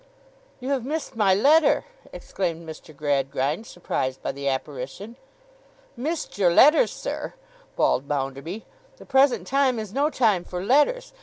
'You have missed my letter!' exclaimed Mr. Gradgrind, surprised by the apparition. 'Missed your letter, sir!' bawled Bounderby. 'The present time is no time for letters.